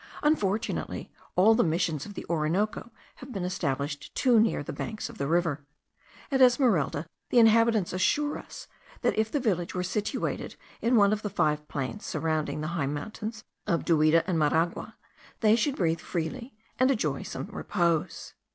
Unfortunately, all the Missions of the Orinoco have been established too near the banks of the river. At Esmeralda the inhabitants assured us that if the village were situated in one of the five plains surrounding the high mountains of Duida and Maraguaca, they should breathe freely, and enjoy some repose.